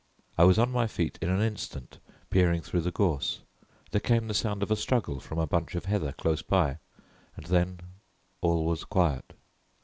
I was on my feet in an instant peering through the gorse. There came the sound of a struggle from a bunch of heather close by, and then all was quiet.